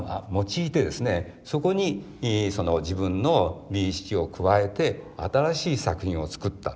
そこに自分の美意識を加えて新しい作品を作った。